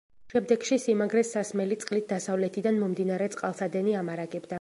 შემდეგში სიმაგრეს სასმელი წყლით დასავლეთიდან მომდინარე წყალსადენი ამარაგებდა.